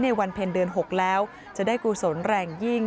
วันเพ็ญเดือน๖แล้วจะได้กุศลแรงยิ่ง